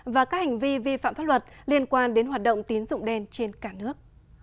và các hành vi vi phạm pháp luật liên quan đến hoạt động tín dụng đen trên cả nước